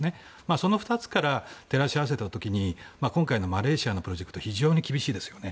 その２つから照らし合わせて今回のマレーシアのプロジェクト非常に厳しいですよね。